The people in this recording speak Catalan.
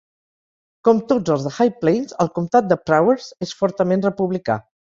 Com tots els de High Plains, el comtat de Prowers és fortament republicà.